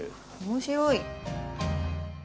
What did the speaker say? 面白い。